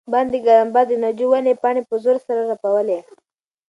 باندې ګرم باد د ناجو ونې پاڼې په زور سره رپولې.